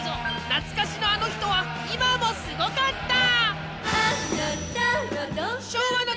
懐かしのあの人は今もすごかった！